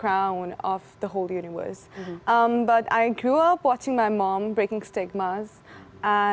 tapi saya tumbuh melihat ibu saya mematuhi stigma dan mematuhi sistem patriarki di komunitas saya